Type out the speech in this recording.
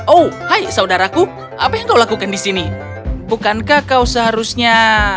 oh hai saudaraku apa yang kau lakukan di sini bukankah kau seharusnya